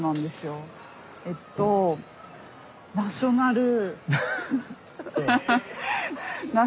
えっとナショナル。